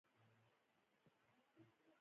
موږ له لوږې ټانټې ژویو، دی راغلی دی خپل پور غواړي.